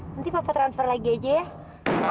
nanti papa transfer lagi aja ya